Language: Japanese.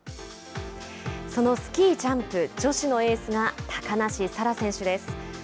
そのスキージャンプ女子のエースが高梨沙羅選手です。